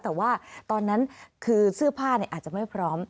แต่ว่าตอนนั้นคือเสื้อผ้าอาจจะไม่พร้อม